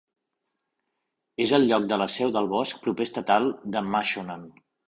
És el lloc de la seu del bosc proper estatal de Moshannon.